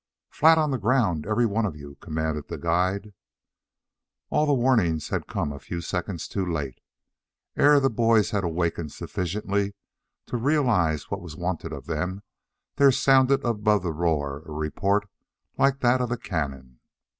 "Flat on the ground, every one of you!" commanded the guide. All the warnings had come a few seconds too late. Ere the boys had awakened sufficiently to realize what was wanted of them there sounded above the roar a report like that of a cannon.